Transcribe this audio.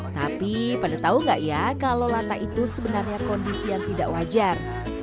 tapi pada tahu nggak ya kalau latah itu sebenarnya kondisi yang tidak wajar